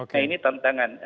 nah ini tantangan